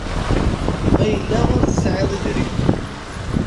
Ma yella ur tesɛiḍ idrimen